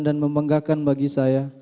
dan membanggakan bagi saya